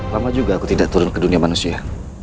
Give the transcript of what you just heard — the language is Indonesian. lama juga aku tidak turun ke dunia manusia